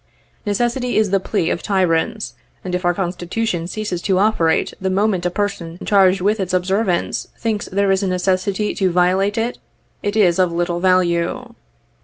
Necessity is the plea of tyrants, and if our Constitution ceases to operate the moment a person charged ivith its observance thinks there is a necessity to violate it, it is of little value.